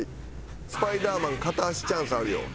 スパイダーマン片足チャンスあるよ。